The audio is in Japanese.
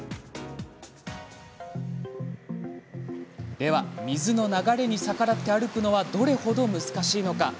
では水の流れに逆らって歩くのはどれほど難しいのか。